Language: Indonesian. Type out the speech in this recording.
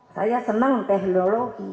saya senang teknologi